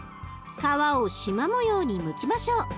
皮をしま模様にむきましょう。